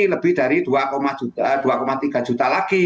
lebih dari dua tiga juta lagi